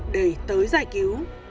để tới giải cứu